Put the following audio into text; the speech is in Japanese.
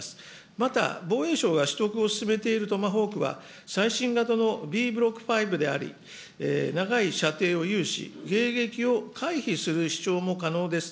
また、防衛省が取得を進めているトマホークは、最新型のＢブロック５であり、長い射程を有し、迎撃を回避するも可能です。